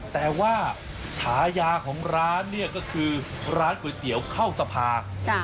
แต่ว่าฉายาของร้านเนี่ยก็คือร้านก๋วยเตี๋ยวเข้าสภา